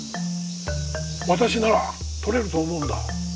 私なら撮れると思うんだ。